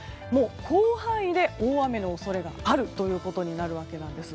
広範囲で大雨の恐れがあるということになるわけです。